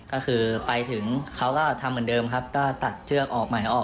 ก็คือไปถึงเขาก็ทำเหมือนเดิมครับก็ตัดเชือกออกใหม่ออก